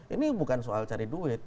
ini bukan soal cari duit